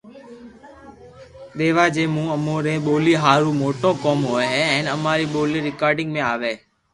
ديوا جي مون اموري ٻولي ھارو موٽو ڪوم ھوئي ھين اماري ٻولي رآڪارذ مي آوئي